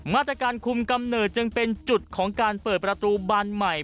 มาตรการคุมกำเนิดจึงเป็นจุดของการเปิดประตูบานใหม่